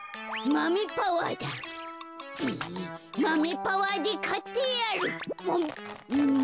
マメパワーでかってやる。